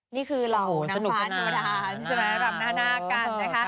นี่เราเหล่าน้ำผาดนราฮันรำหน้าหน้ากัน